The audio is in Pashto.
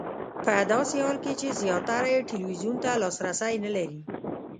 په داسې حال کې چې زیاتره یې ټلویزیون ته لاسرسی نه لري.